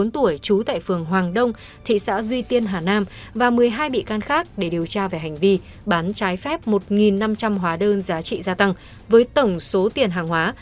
bốn mươi tuổi trú tại phường hoàng đông thị xã duy tiên hà nam và một mươi hai bị can khác để điều tra về hành vi bán trái phép một năm trăm linh hóa đơn giá trị gia tăng với tổng số tiền hàng hóa